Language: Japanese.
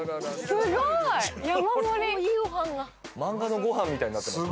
漫画のご飯みたいになってますね。